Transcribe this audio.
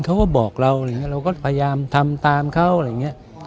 เขาก็บอกเราอะไรอย่างนี้เราก็พยายามทำตามเขาอะไรอย่างนี้